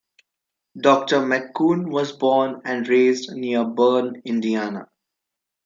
Doctor McCune was born and raised near Berne, Indiana.